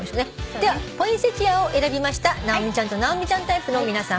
では「ポインセチア」を選びました直美ちゃんと直美ちゃんタイプの皆さん